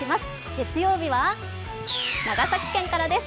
月曜日は、長崎県からです。